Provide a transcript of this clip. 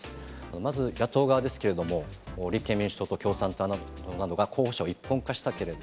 まず野党側ですけれども、立憲民主党と共産党などが候補者を一本化した。